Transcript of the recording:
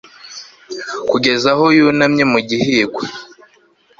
Kugeza aho yunamye mu gihingwa